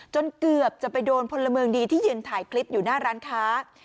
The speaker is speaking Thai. เกือบจะไปโดนพลเมืองดีที่ยืนถ่ายคลิปอยู่หน้าร้านค้า